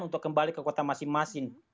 untuk kembali ke kota masing masing